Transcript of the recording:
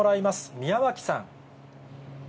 宮脇さん。